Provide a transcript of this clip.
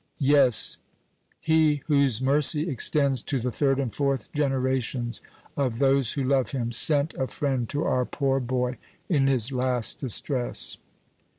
Yes; He whose mercy extends to the third and fourth generations of those who love him, sent a friend to our poor boy in his last distress.